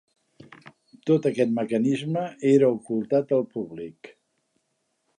Tot aquest mecanisme era ocultat al públic.